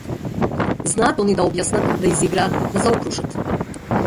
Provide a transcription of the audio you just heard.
Знаат они да објаснат, да изиграат, да заокружат.